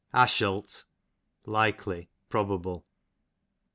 Ashelt, likely, probable.